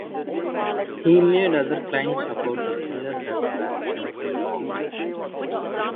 He made other claims about the killer that were simply wrong.